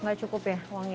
enggak cukup ya uangnya